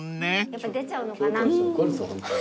やっぱ出ちゃうのかな。